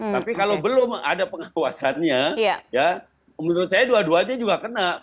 tapi kalau belum ada pengawasannya ya menurut saya dua duanya juga kena